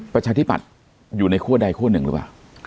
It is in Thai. ประชาธิปัตย์อยู่ในคั่วใดคั่วหนึ่งหรือเปล่า